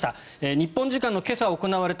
日本時間の今朝行われた